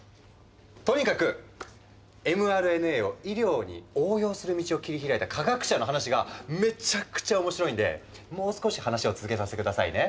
とにかくｍＲＮＡを医療に応用する道を切り開いた科学者の話がめちゃくちゃ面白いんでもう少し話を続けさせて下さいね。